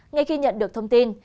ngay khi nhận được thông tin